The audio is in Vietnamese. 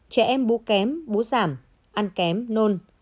trẻ em bú kém bú giảm ăn kém nôn